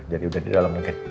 jadi udah di dalam mungkin